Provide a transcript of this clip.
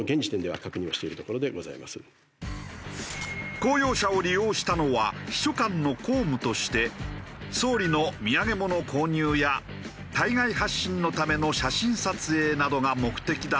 公用車を利用したのは秘書官の公務として総理の土産物購入や対外発信のための写真撮影などが目的だったと説明。